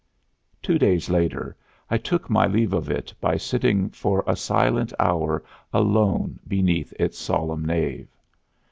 Two days later I took my leave of it by sitting for a silent hour alone beneath its solemn nave.